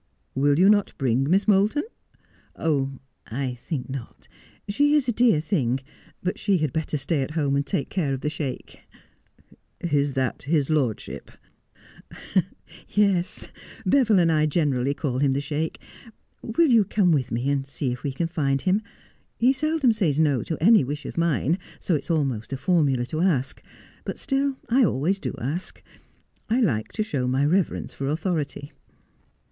' Will you not bring Miss Moulton 1 '' I think not. She is a dear thing, but she had better stay at home and take care of the Sheik.' ' Is that his lordship ?'' Yes, Beville and I generally call him the Sheik. Will you come with me and see if we can find him 1 He seldom says no to any wish of mine — so it's almost a formula to ask — but still I always do ask. [ like to show my reverence for authority.